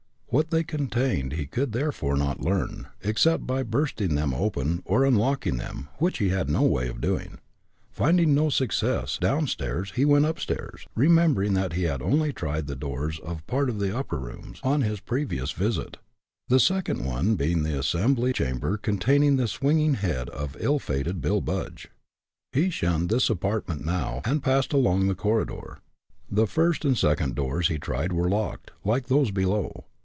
What they contained he could therefore not learn, except by bursting them open or unlocking them, which he had no way of doing. Finding no success, down stairs, he went upstairs, remembering that he had only tried the doors of part of the upper rooms, on his previous visit, the second one being the assembly chamber containing the swinging head of ill fated Bill Budge. He shunned this apartment now, and passed on along the corridor. The first and second doors he tried were locked, like those below.